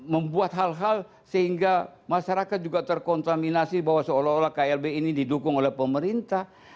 membuat hal hal sehingga masyarakat juga terkontaminasi bahwa seolah olah klb ini didukung oleh pemerintah